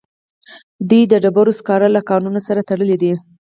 دوی د ډبرو سکارو له کانونو سره تړلي دي